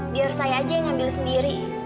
biar saya aja yang ngambil sendiri